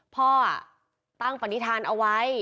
พ่อตั้งปณิธานเอาไว้